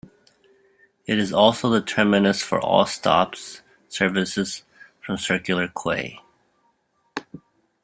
Its is also the terminus for all stops services from Circular Quay.